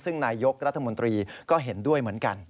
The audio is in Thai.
ซึ่งนายยกรัฐมนตรีก็เห็นด้วยเหมือนกัน